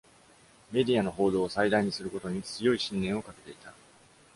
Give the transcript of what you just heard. メディアの報道を最大にすることに強い信念をかけていた。